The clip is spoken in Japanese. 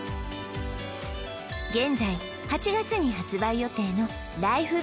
現在８月に発売予定のライフ